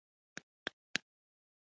پوخ نیت برکت لري